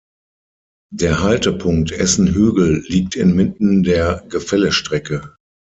Der Haltepunkt Essen-Hügel liegt inmitten der Gefällestrecke.